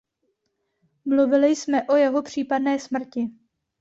Mluvili jsme o jeho případné smrti.